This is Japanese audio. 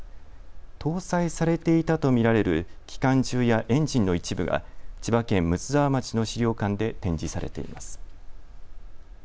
搭載されていたと見られる機関銃やエンジンの一部が千葉県睦沢町の資料館で展示されています。